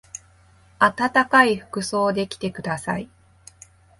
あたたかい服装で来てください。